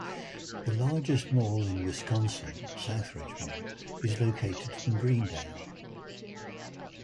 The largest mall in Wisconsin, Southridge Mall, is located in Greendale.